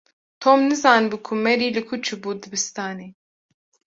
Tom nizanibû ku Mary li ku çûbû dibistanê.